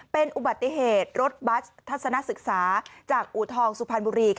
เป็นอุบัติเหตุรถบัสทัศนศึกษาจากอูทองสุพรรณบุรี